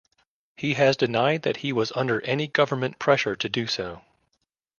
He has denied that he was under any government pressure to do so.